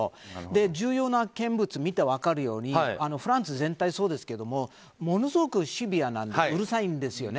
重要な建築物を見ても分かるようにフランス全体がものすごくシビアなのでうるさいんですよね。